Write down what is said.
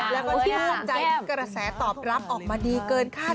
แล้วก็ที่ห่วงใจกระแสตอบรับออกมาดีเกินค่า